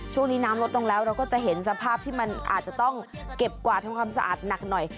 ช่วงนี้น้ำลดลงแล้วเราก็จะเห็นสภาพที่มันอาจจะต้องเก็บกวาดทำความสะอาดหนักหน่อย